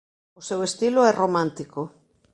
O seu estilo é romántico.